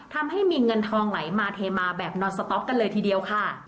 ทำให้มีเงินทองไหลมาเทมาแบบนอนสต๊อกกันเลยทีเดียวค่ะ